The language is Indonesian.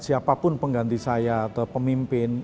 siapapun pengganti saya atau pemimpin